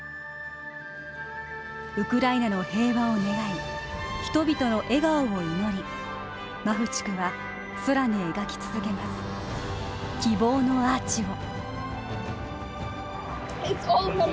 ウクライナの平和を願い、人々の笑顔を祈り、マフチクは空に描き続けます、希望のアーチを。